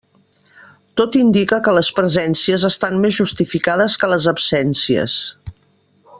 Tot indica que les presències estan més justificades que les absències.